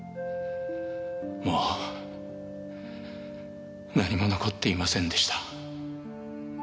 もう何も残っていませんでした。